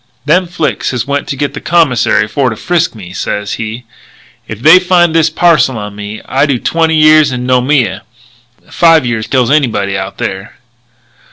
'Them Flics has went to get the Commissaire for to frisk me,' sez he. 'If they find this parcel on me I do twenty years in Noumea. Five years kills anybody out there.'